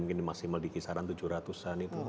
mungkin maksimal di kisaran tujuh ratus an itu